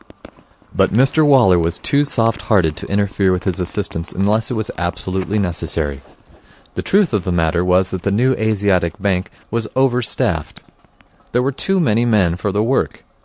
But Mr Waller was too soft hearted to interfere with his assistants unless it was absolutely necessary. The truth of the matter was that the New Asiatic Bank was over staffed. There were too many men for the work.